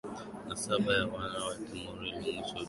nasaba ya wana wa Timur iliunganisha Uajemi pamoja na